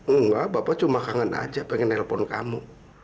enggak bapak cuma kangen aja pengen nelpon kamu